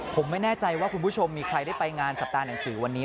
ผมไม่แน่ใจว่าคุณผู้ชมมีใครได้ไปงานสัปดาห์หนังสือวันนี้